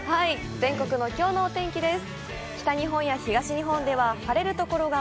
全国のきょうのお天気です。